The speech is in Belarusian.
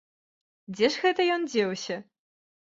Дзе ж гэта ён дзеўся?